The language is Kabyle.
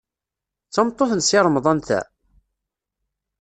D tameṭṭut n Si Remḍan, ta?